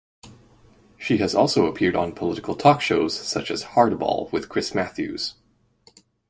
She has also appeared on political talk shows such as "Hardball with Chris Matthews".